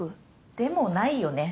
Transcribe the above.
でもないよね